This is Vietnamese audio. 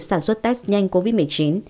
sản xuất test nhanh covid một mươi chín